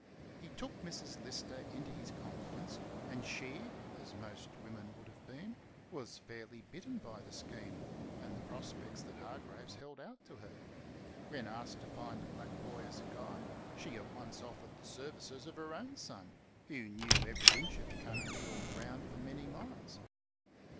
He took Mrs. Lister into his confidence, and she, as most women would have been, was fairly bitten by the scheme and the prospects that Hargraves held out to her. When asked to find a black boy as a guide, she at once offered the services of her own son, who knew every inch of the country all round for many miles.